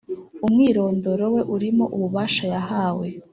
Umwirondoro we urimo ububasha yahawe.